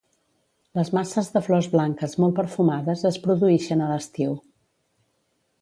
Les masses de flors blanques molt perfumades es produïxen a l'estiu.